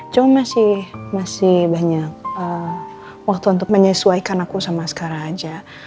cuma masih banyak waktu untuk menyesuaikan aku sama sekarang aja